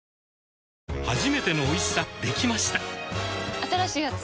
新しいやつ？